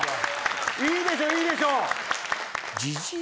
いいでしょいいでしょ！